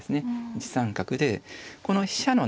１三角でこの飛車の斜め